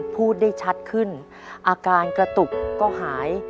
พูดได้ชัดขึ้นอาการกระตุกก็หาย